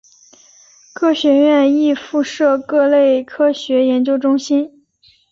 各学院亦附设各类科学研究中心。